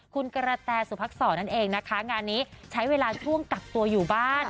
คุณกระแตสุภักษรนั่นเองนะคะงานนี้ใช้เวลาช่วงกักตัวอยู่บ้าน